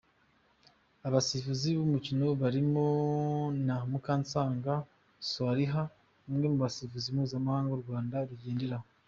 Abasifuzi b'umukino barimo na Mukansanga Swalha umwe mu basifuzi mpuzamahamga u Rwanda rugenderaho.